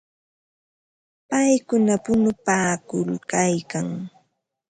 Paykuna punupaakuykalkan.